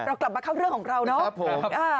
กลับมาเข้าเรื่องของเราเนาะ